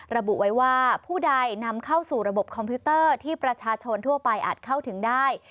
ระบุไว้ว่าผู้ใดนำเข้าสู่ระบบคอมพิวเตอร์ที่ประชาชนทั่วไปอาจเข้าถึงได้